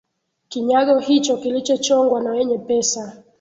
kinyago hicho kilichochongwa na wenye pesa